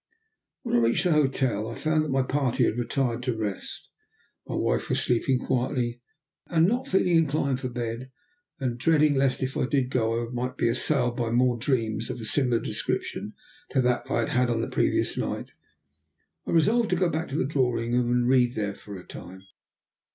When I reached the hotel I found that my party had retired to rest. My wife was sleeping quietly, and not feeling inclined for bed, and dreading lest if I did go I might be assailed by more dreams of a similar description to that I had had on the previous night, I resolved to go back to the drawing room and read there for a time.